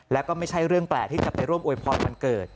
แล้วก็ไม่ใช่เรื่องแปลกที่จะไปร่วมอวยพรวันเกิด